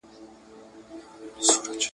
باخوفن له لرغوني تاريخ څخه